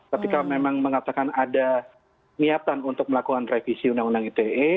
ketika memang mengatakan ada niatan untuk melakukan revisi undang undang ite